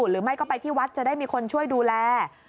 หรือไม่ก็ไปที่วัดจะได้มีคนช่วยดูแล